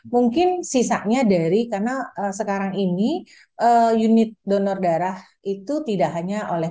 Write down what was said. mungkin sisanya dari karena sekarang ini unit donor darah itu tidak hanya oleh